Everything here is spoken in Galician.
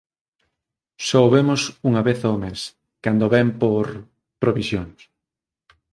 Só o vemos unha vez ao mes, cando vén por... provisións.